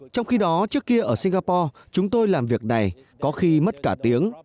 trong khi đó trước kia ở singapore chúng tôi làm việc này có khi mất cả tiếng